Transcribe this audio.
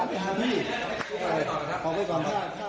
ออกไปก่อน